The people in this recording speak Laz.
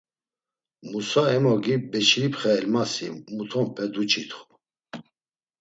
Musa, emogi Beçiripxe Elmasi mutonpe duç̌itxu.